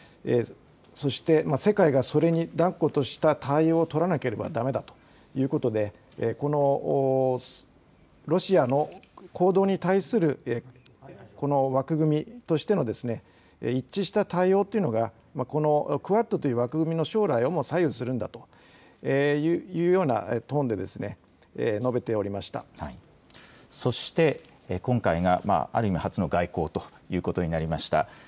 そして世界がそれに断固とした対応を取らなければだめだということで、このロシアの行動に対するこの枠組みとしての一致した対応というのが、クアッドという枠組みの将来をも左右するんだというようなトーンそして、今回がある意味、初の外交ということになりました